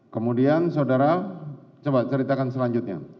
kemudian saudara coba ceritakan selanjutnya